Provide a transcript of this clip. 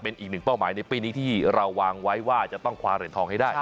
เป็นอีกหนึ่งเป้าหมายในปีนี้ที่เราวางไว้ว่าจะต้องคว้าเหรียญทองให้ได้